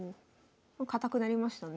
堅くなりましたね。